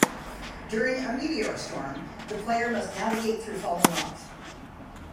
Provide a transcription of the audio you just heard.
During a meteor storm, the player must navigate through falling rocks.